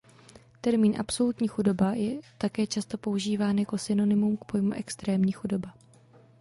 Termín "absolutní chudoba" je také často používán jako synonymum k pojmu extrémní chudoba.